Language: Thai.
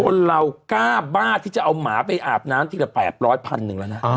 คนเรากล้าบ้าที่จะเอาหมาไปอาบน้ำทีละ๘๐๐พันหนึ่งแล้วนะ